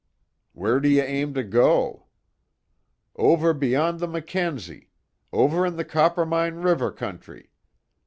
"Where do you aim to go?" "Over beyond the Mackenzie. Over in the Coppermine River country.